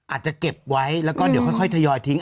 อาจจะเก็บไว้แล้วก็เดี๋ยวค่อยทยอยทิ้ง